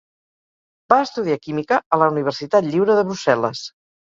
Va estudiar química a la Universitat Lliure de Brussel·les.